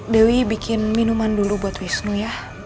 dewi bikin minuman dulu buat wisnu ya